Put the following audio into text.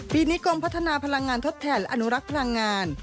ปีนี้กรมพัฒนาพลังงานทดแทนและอนุรักษ์พลังงาน